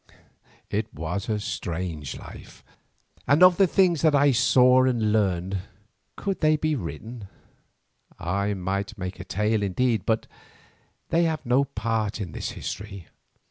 It was a strange life, and of the things that I saw and learned, could they be written, I might make a tale indeed, but they have no part in this history.